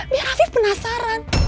biar hafif penasaran